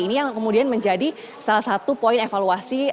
ini yang kemudian menjadi salah satu poin evaluasi